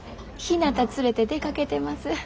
ひなた連れて出かけてます。